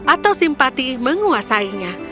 atau simpati menguasainya